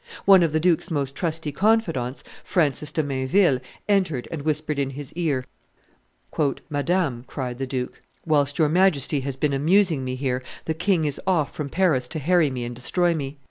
One of the duke's most trusty confidants, Francis de Mainville, entered and whispered in his ear. "Madame," cried the duke, "whilst your Majesty has been amusing me here, the king is off from Paris to harry me and destroy me!"